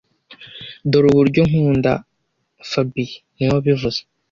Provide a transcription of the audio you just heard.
dore uburyo nkunda fabien niwe wabivuze